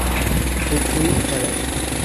اتو پرس